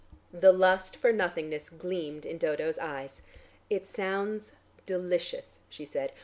The lust for nothingness gleamed in Dodo's eyes. "It sounds delicious," she said.